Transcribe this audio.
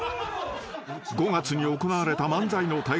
［５月に行われた漫才の大会